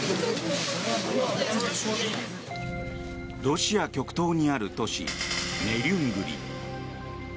ロシア極東にある都市ネリュングリ。